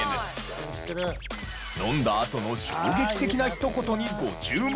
飲んだあとの衝撃的なひと言にご注目！